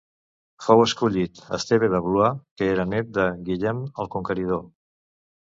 Fou escollit Esteve de Blois, que era nét de Guillem el Conqueridor.